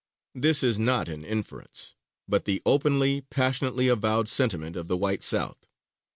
This is not an inference, but the openly, passionately avowed sentiment of the white South.